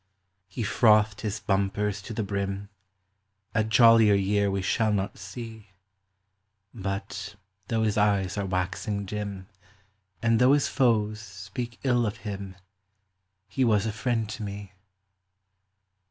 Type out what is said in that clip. He frothed his bumpers to the brim ; A jollier year we shall not see. But, though his eyes are waxing dim, And though his foes speak ill of him, He was a friend to me.